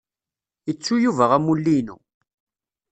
Ittu Yuba amulli-inu.